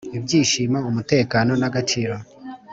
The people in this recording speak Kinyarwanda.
ibyishimo, umutekano, n'agaciro,